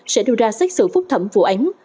sẽ đưa ra xét xử phúc thẩm vụ ánh